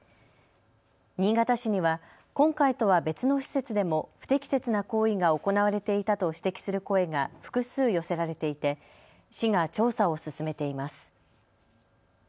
新潟市には今回とは別の施設でも不適切な行為が行われていたと指摘する声が複数寄せられていて市が調査を進めています。